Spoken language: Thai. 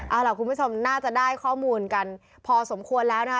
เอาล่ะคุณผู้ชมน่าจะได้ข้อมูลกันพอสมควรแล้วนะคะ